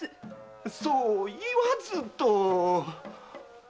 そう言わずと。